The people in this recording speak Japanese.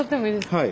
はい。